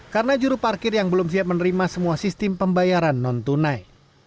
karena juru parkir yang belum siap menerima semua sistem pembayaran non tunai